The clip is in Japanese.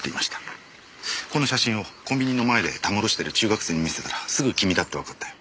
この写真をコンビニの前でたむろしている中学生に見せたらすぐ君だってわかったよ。